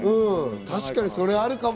確かにそれあるかも。